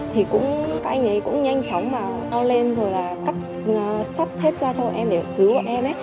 thì cũng các anh ấy cũng nhanh chóng vào lao lên rồi là cắt sắt hết ra cho em để cứu bọn em